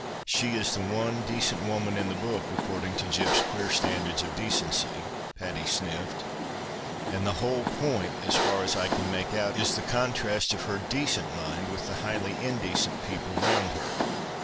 She is the one decent woman in the book, according to Gyp's queer standards of decency * (Patty sniffed), " and the whole point, so far as I can make out, is the contrast of her decent mind with the liiijhly indecent people round her.